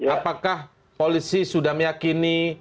apakah polisi sudah meyakini